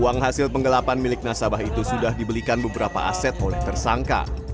uang hasil penggelapan milik nasabah itu sudah dibelikan beberapa aset oleh tersangka